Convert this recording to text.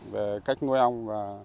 về cách nuôi ong